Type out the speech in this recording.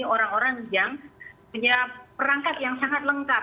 orang orang yang punya perangkat yang sangat lengkap